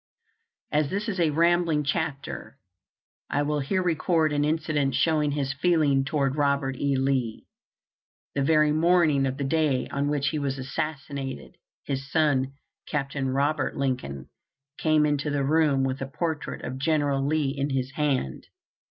As this is a rambling chapter, I will here record an incident showing his feeling toward Robert E. Lee. The very morning of the day on which he was assassinated, his son, Capt. Robert Lincoln, came into the room with a portrait of General Lee in his hand.